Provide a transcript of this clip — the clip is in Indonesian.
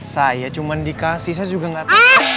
saya cuman dikasih saya juga gak